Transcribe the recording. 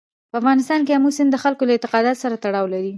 په افغانستان کې آمو سیند د خلکو له اعتقاداتو سره تړاو لري.